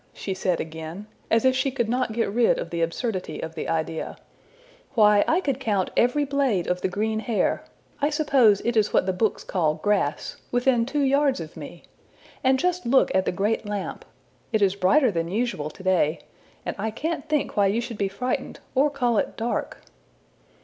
'' she said again, as if she could not get rid of the absurdity of the idea; ``why, I could count every blade of the green hair I suppose it is what the books call grass within two yards of me! And just look at the great lamp! It is brighter than usual today, and I can't think why you should be frightened, or call it dark!''